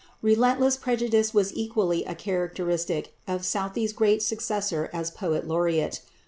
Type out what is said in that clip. Relentless prejudice was equally a characteristic of Southey's greater successor as Poet Laureate.